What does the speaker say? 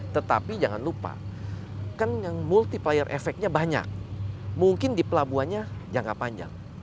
tetapi jangan lupa kan yang multiplier efeknya banyak mungkin di pelabuhannya jangka panjang